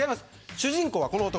主人公は、この男。